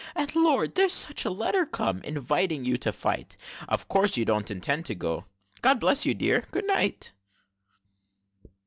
And, lord! there's such a letter come, Inviting you to fight! Of course you don't intend to go God bless you, dear, good night!"